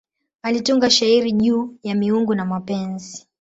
Alitunga shairi juu ya miungu na mapenzi.